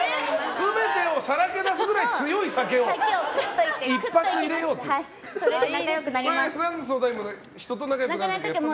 全てをさらけ出すくらい強い酒を一発入れようという。